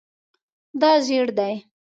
دا زیړ دی